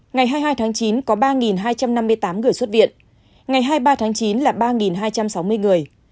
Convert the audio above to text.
ngày hai mươi hai tháng chín có ba hai trăm năm mươi tám người xuất viện ngày hai mươi ba tháng chín là ba hai trăm sáu mươi người